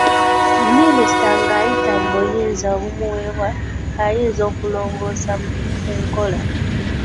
Minisita, ng'ayita mu buyinza obumuweebwa, ayinza okulongoosamu mu nkola.